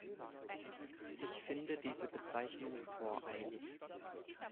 Ich finde diese Bezeichnung voreilig.